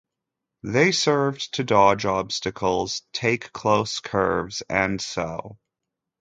They served to dodge obstacles, take close curves and so.